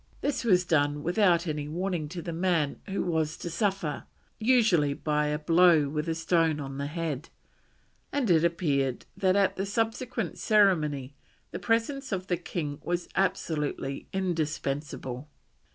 This was done without any warning to the man who was to suffer, usually by a blow with a stone on the head, and it appeared that at the subsequent ceremony the presence of the king was absolutely indispensable.